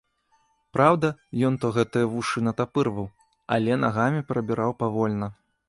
Праўда, ён то гэтыя вушы натапырваў, але нагамі перабіраў павольна.